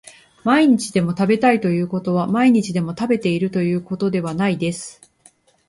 毎日でも食べたいということは毎日でも食べているということではないです